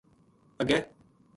اَگے